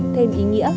thêm ý nghĩa